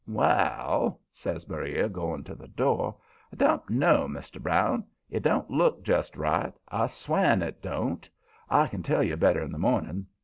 "Wall," says Beriah, goin' to the door, "I don't know, Mr. Brown. It don't look just right; I swan it don't! I can tell you better in the morning.